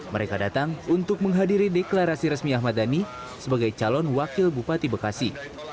mereka datang untuk menghadiri deklarasi resmi ahmad dhani sebagai calon wakil bupati bekasi